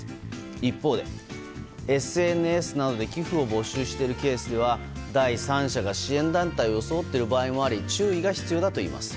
一方で、ＳＮＳなどで寄付を募集しているケースでは第三者が支援団体を装っている場合もあり注意が必要だといいます。